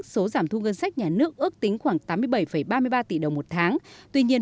số giảm thu ngân sách nhà nước ước tính khoảng tám mươi bảy ba mươi ba tỷ đồng một tháng tuy nhiên